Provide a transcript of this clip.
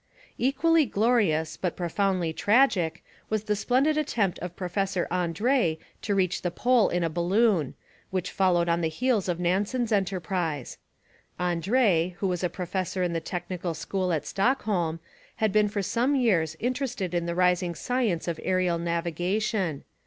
Equally glorious, but profoundly tragic, was the splendid attempt of Professor Andrée to reach the Pole in a balloon, which followed on the heels of Nansen's enterprise. Andrée, who was a professor in the Technical School at Stockholm, had been for some years interested in the rising science of aerial navigation.